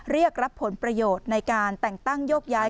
เรียกรับผลประโยชน์ในการแต่งตั้งโยกย้าย